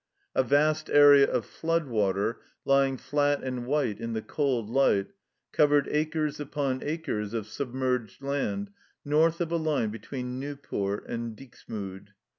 A vast area of flood water, lying flat and white in the cold light, covered acres upon acres of submerged land north of a line between Nieuport and Dixmude.